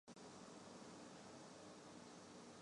斯里兰卡隔保克海峡和印度相望。